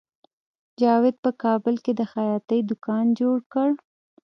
جاوید په کابل کې د خیاطۍ دکان جوړ کړ